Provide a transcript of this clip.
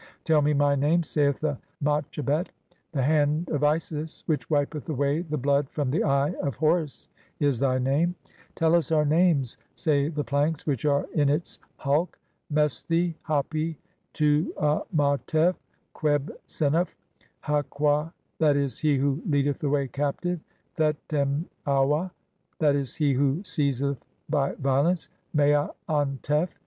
"Tell me (21) my name," saith the Matchabet ; "The hand "of Isis, which wipeth away the blood from the (22) Eye of "Horus," is thy name. "Tell us our names," say the Planks which are in its (22) "hulk ; "Mesthi, Hapi, Tuamautef, Qebh sennuf, (23) Haqau "(?'. e., he who leadeth away captive), Thet em aua (/. e., he who "seizeth by violence), Maa an tef